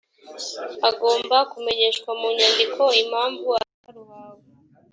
agomba kumenyeshwa mu nyandiko impamvu ataruhawe